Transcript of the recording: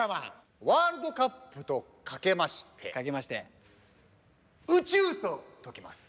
「ワールドカップ」とかけまして「宇宙」と解きます。